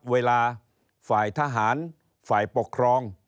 เวลาฝ่ายทหารฝ่ายปกครอง